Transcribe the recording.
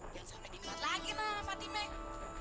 jangan sampai dimuat lagi lah fatimah